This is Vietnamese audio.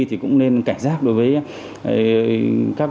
thì cũng nên cảnh giác đối với các người làm nghề xe ôm taxi